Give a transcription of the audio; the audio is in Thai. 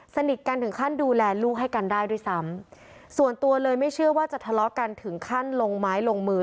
สนิทกันถึงขั้นดูแลลูกให้กันได้ด้วยซ้ำส่วนตัวเลยไม่เชื่อว่าจะทะเลาะกันถึงขั้นลงไม้ลงมือ